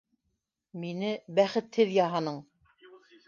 Мине... бәхетһеҙ яһаның!